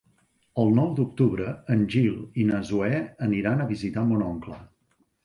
El nou d'octubre en Gil i na Zoè aniran a visitar mon oncle.